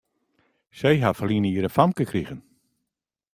Sy ha ferline jier in famke krigen.